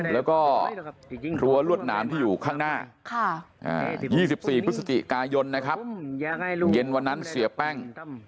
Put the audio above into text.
แล้วก็รั้วรวดหนามที่อยู่ข้างหน้า๒๔พฤศจิกายนนะครับเย็นวันนั้นเสียแป้ง